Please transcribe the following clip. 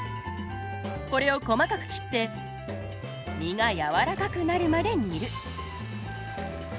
これを細かく切って実が柔らかくなるまで煮る。